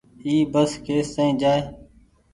اي بس ڪيس تآئين جآئي۔